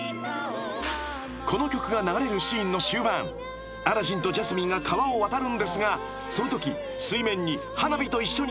［この曲が流れるシーンの終盤アラジンとジャスミンが川を渡るんですがそのとき花火と一緒に］